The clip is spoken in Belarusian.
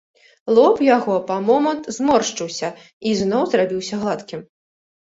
Лоб яго па момант зморшчыўся і зноў зрабіўся гладкім.